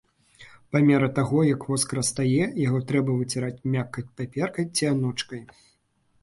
Па меры таго як воск растае, яго трэба выціраць мяккай паперкай ці анучкай.